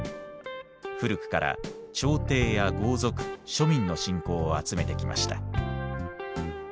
古くから朝廷や豪族庶民の信仰を集めてきました。